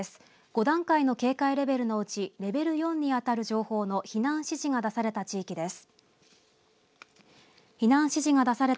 ５段階の警戒レベルのうちレベル４にあたる情報の避難指示が出された地域です。